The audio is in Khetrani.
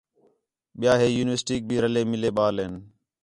ٻِیا ہِے یونیورسٹیک بھی رلّے مِلّے ٻال ہِن